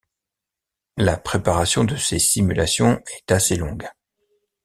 La préparation de ces simulations est assez longue.